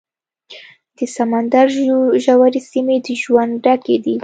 د سمندر ژورې سیمې د ژوند ډکې دي.